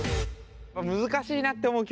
難しいなって思う